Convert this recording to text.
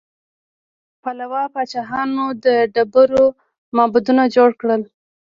پالوا پاچاهانو د ډبرو معبدونه جوړ کړل.